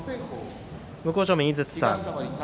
向正面の井筒さん